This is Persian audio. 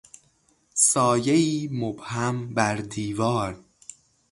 سایهای مبهم بر دیوار